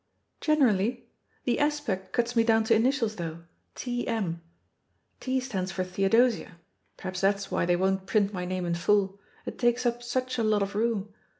"Generally. The Aspect cuts me down to initials, though— 'T. M.' *T' stands for *Theo dosia'; perhaps that's why they won't print my name in full, it takes up such a lot of room.